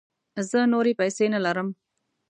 زه نوری پیسې نه لرم